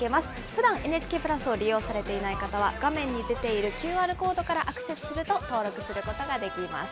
ふだん、ＮＨＫプラスを利用されていない方は、画面に出ているＱＲコードからアクセスすると登録することができます。